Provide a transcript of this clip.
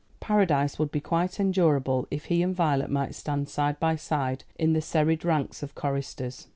Paradise would be quite endurable if he and Violet might stand side by side in the serried ranks of choristers.